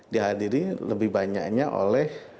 dihadiri lebih banyaknya oleh